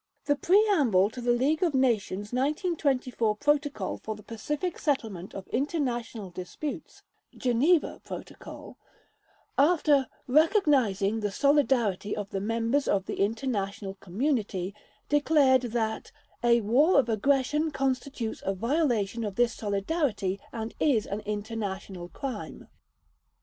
The preamble to the League of Nations 1924 Protocol for the Pacific Settlement of International Disputes ("Geneva Protocol"), after "recognising the solidarity of the members of the international community", declared that "a war of aggression constitutes a violation of this solidarity and is an international crime."